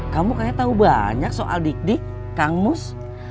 kamu kayaknya tahu banyak soal dik dik kang mus